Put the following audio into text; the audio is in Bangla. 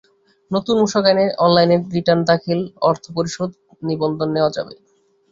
নতুন মূসক আইনে অনলাইনে রিটার্ন দাখিল, অর্থ পরিশোধ, নিবন্ধন নেওয়া যাবে।